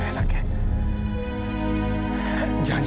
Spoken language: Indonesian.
jangan jangan ada sesuatu lagi sama sejati